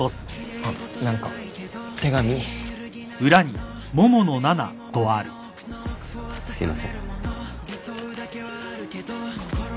あっすいません。